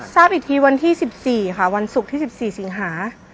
ทราบอีกทีวันที่สิบสี่ค่ะวันศุกร์ที่สิบสี่สิงหา